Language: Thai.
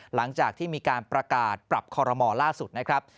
หลังจากที่มีการประกาศปรับคอรมอลล่าสุดนะครับ